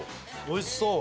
おいしそう！